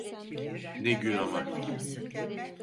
Ne gün ama!